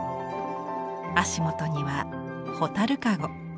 足元には蛍かご。